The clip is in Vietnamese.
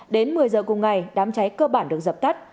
đến một mươi giờ cùng ngày đám cháy cơ bản được dập tắt